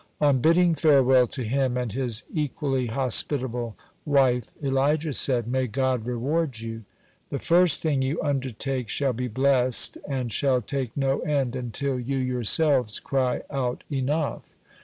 On bidding farewell to him and his equally hospitable wife, Elijah said: "May God reward you! The first thing you undertake shall be blessed, and shall take no end until you yourselves cry out Enough!"